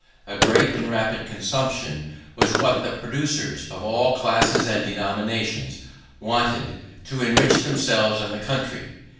A great and rapid consumption was what the producers, of all classes and denominations, wanted, to enrich themselves and the country.